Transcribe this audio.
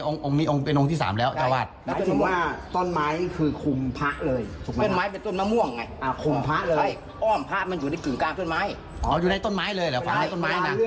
อ๋อนี่เป็นโรงที่๓แล้วจ้าวาด